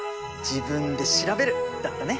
自分で調べる！だったね。